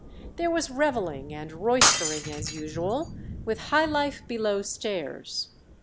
There was revelling and roystering, as usual, with "high life below stairs."